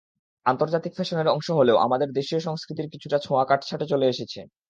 আন্তর্জাতিক ফ্যাশনের অংশ হলেও আমাদের দেশীয় সংস্কৃতির কিছুটা ছেঁায়া কাটছঁাটে চলে এসেছে।